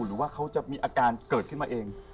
หรือว่าเขาจะมีอาการเกิดขึ้นมาเอง